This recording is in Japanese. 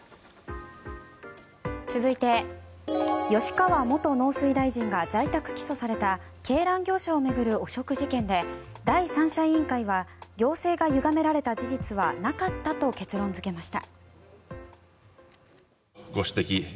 続いて、吉川元農水大臣が在宅起訴された鶏卵業者を巡る汚職事件で第三者委員会は行政がゆがめられた事実はなかったと結論付けました。